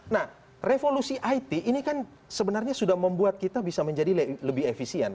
nah revolusi it ini kan sebenarnya sudah membuat kita bisa menjadi lebih efisien